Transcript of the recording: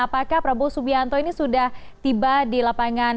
apakah prabowo subianto ini sudah tiba di lapangan